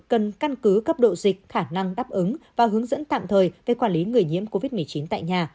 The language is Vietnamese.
cần căn cứ cấp độ dịch khả năng đáp ứng và hướng dẫn tạm thời về quản lý người nhiễm covid một mươi chín tại nhà